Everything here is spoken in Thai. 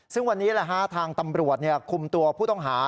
ซึ่งวันนี้ทางตำรวจคุมตัวผู้ต้องหา